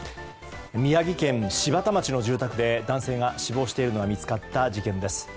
宮城県柴田町の住宅で男性が死亡しているのが見つかった事件です。